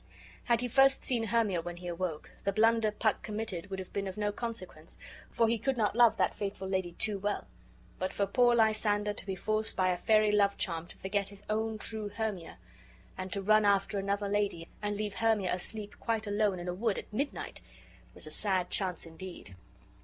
Had he first seen Hermia when he awoke, the blunder Puck committed would have been of no consequence, for he could not love that faithful lady too well; but for poor Lysander to be forced by a fairy love charm to forget his own true Hernia, and to run after another lady, and leave Hermia asleep quite alone in a wood at midnight, was a sad chance indeed.